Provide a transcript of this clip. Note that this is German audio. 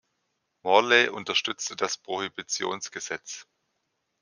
Morley unterstützte das Prohibitionsgesetz.